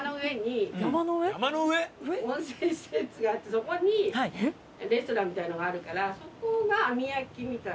そこにレストランみたいなのがあるからそこが網焼きみたいな。